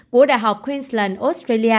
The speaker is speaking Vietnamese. của đại học queensland australia